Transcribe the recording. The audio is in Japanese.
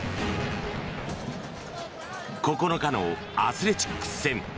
９日のアスレチックス戦。